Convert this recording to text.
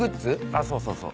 あっそうそうそう。